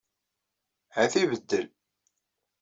Ad t-ibeddel.